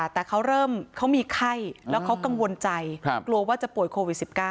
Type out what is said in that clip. แต่เขาเริ่มเขามีไข้แล้วเขากังวลใจกลัวว่าจะป่วยโควิด๑๙